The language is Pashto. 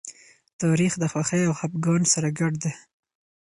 تاریخ د خوښۍ او خپګان سره ګډ دی.